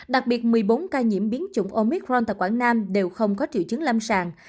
đặc biệt một mươi bốn ca nhiễm biến chủng omicron tại quảng nam đều không có triệu chứng lâm sàng